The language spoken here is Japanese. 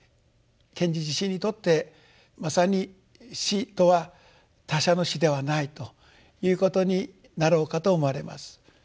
賢治自身にとってまさに死とは他者の死ではないということになろうかと思われます。